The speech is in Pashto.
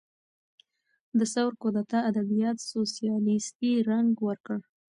د ثور کودتا ادبیات سوسیالیستي رنګ ورکړ.